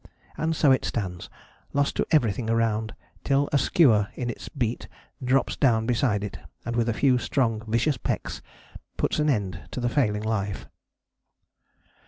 And so it stands, lost to everything around, till a skua in its beat drops down beside it, and with a few strong, vicious pecks puts an end to the failing life."